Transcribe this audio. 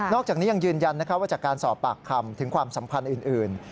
อกจากนี้ยังยืนยันว่าจากการสอบปากคำถึงความสัมพันธ์อื่น